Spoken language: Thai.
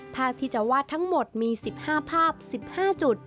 ภาพที่จะวาดทั้งหมดมี๑๕ภาพ๑๕จุด